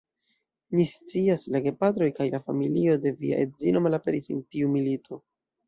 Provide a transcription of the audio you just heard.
Ni scias, la gepatroj kaj la familio de via edzino malaperis en tiu milito.